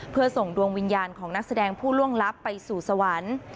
เพื่อส่งดวงวิญญาณของนักแสดงผู้ล่วงลับไปสู่สวรรค์